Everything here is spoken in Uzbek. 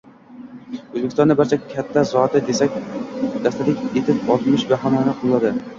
O’zbekistonni barcha katta zoti dastak etib olmish bahonani qo‘lladi: